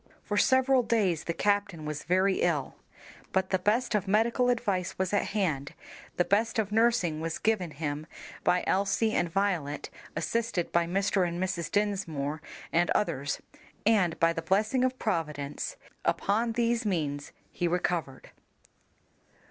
For several days the captain was very ill, but the best of medical advice was at hand, the best of nursing was given him by Elsie and Violet, assisted by Mr. and Mrs. Dinsmore and others, and, by the blessing of Providence, upon these means he recovered.